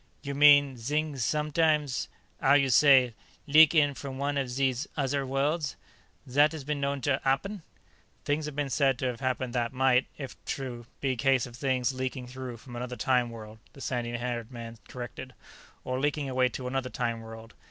"You mean, zings sometimes, 'ow you say, leak in from one of zees ozzer worlds? Zat has been known to 'appen?" "Things have been said to have happened that might, if true, be cases of things leaking through from another time world," the sandy haired man corrected. "Or leaking away to another time world."